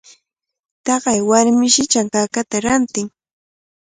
Taqay warmishi chankakata rantin.